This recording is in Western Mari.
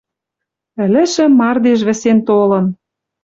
Ӹлӹшӹ мардеж вӹсен толын.